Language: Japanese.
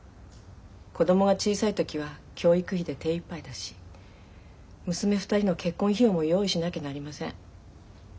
子供が小さい時は教育費で手いっぱいだし娘２人の結婚費用も用意しなきゃなりません。